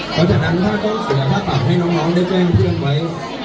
เพราะฉะนั้นถ้าต้องเสียค่าปรับให้น้องได้แจ้งเพื่อนไว้